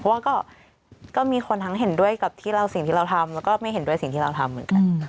เพราะว่าก็มีคนทั้งเห็นด้วยกับที่เราสิ่งที่เราทำแล้วก็ไม่เห็นด้วยสิ่งที่เราทำเหมือนกัน